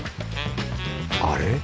あれ？